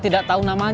jadi kita bisa makan